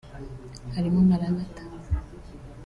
Harimo Maranatha